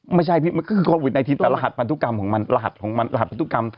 ไม่ใช่พี่มันก็คือโควิด๑๙แต่รหัสพันธุกรรมของมันรหัสพันธุกรรม